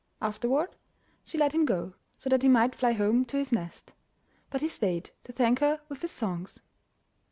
Afterward she let him go, so that he might fly home to his nest; but he stayed to thank her with his songs.